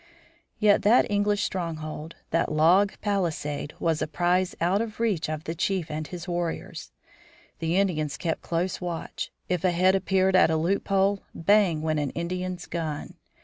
Yet that English stronghold, that log palisade, was a prize out of reach of the chief and his warriors. The Indians kept close watch. If a head appeared at a loophole, bang went an Indian's gun.